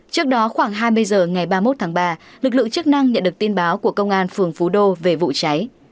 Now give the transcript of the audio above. trước đó khoảng hai mươi h ngày ba mươi một tháng ba lực lượng chức năng nhận được tin báo của công an phường phú đô về vụ cháy